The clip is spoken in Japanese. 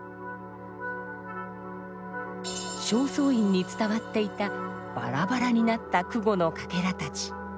正倉院に伝わっていたバラバラになった箜篌のかけらたち。